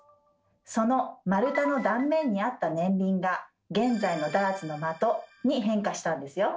その丸太の断面にあった年輪が現在のダーツのまとに変化したんですよ。